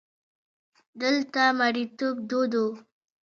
دلته مریتوب دود وو.